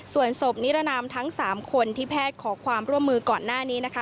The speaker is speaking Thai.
ส่วนศพนิรนามทั้ง๓คนที่แพทย์ขอความร่วมมือก่อนหน้านี้นะคะ